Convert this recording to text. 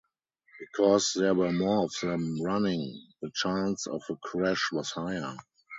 Because there were more of them running, the chance of a crash was higher.